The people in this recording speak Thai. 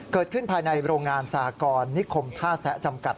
เกิดขึ้นภายในโรงงานสหกรนิคมท่าแซะจำกัด